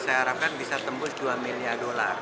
saya harapkan bisa tembus rp dua miliar